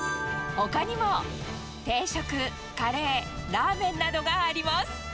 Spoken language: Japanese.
ほかにも定食、カレー、ラーメンなどがあります。